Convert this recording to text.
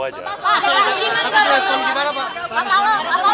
bergabung dengan pemerintah bukan